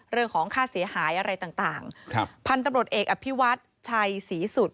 เรื่องของค่าเสียหายอะไรต่างต่างครับพันธุ์ตำรวจเอกอภิวัฒน์ชัยศรีสุด